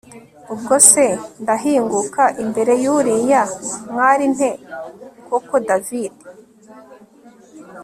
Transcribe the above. ubwo se ndahinguka imbere yuriya mwali nte koko davide!?